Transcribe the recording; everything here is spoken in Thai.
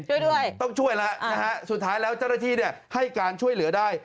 ช่วยด้วยต้องช่วยแล้วนะฮะสุดท้ายแล้วเจ้าหน้าที่เนี่ยให้การช่วยเหลือได้